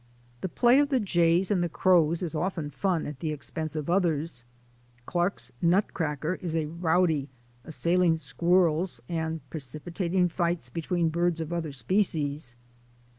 The play of the jays and the crows is often fun at the expense of others. Clarke's nutcracker is a rowdy, assailing squirrels and precipitating fights between birds of other species.